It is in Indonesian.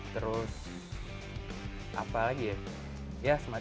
terus apa lagi ya